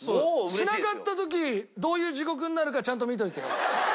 しなかった時どういう地獄になるかちゃんと見といてよ。